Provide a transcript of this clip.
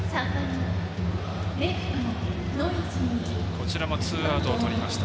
こちらもツーアウトを取りました。